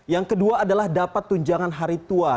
yang kedua adalah dapat tunjangan hari tua